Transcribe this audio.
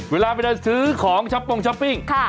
เวลาไปซื้อของช้อปปงช้อปปิ้ง